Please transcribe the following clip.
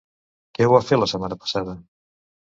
Què vau fer la setmana passada?